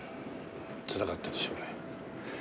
つらかったでしょうね。